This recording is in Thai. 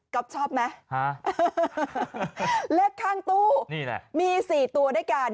ก๊อบชอบไหมเลขข้างตู้มี๔ตัวด้วยกัน๓๑๔๗๓๐๖๘๓๒๒๗๒๖๕๔